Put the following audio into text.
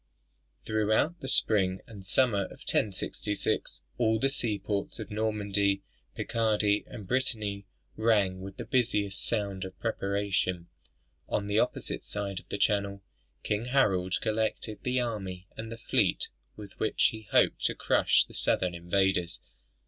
Throughout the spring and summer of 1066, all the seaports of Normandy, Picardy, and Brittany rang with the busy sound of preparation. On the opposite side of the Channel, King Harold collected the army and the fleet with which he hoped to crush the southern invaders.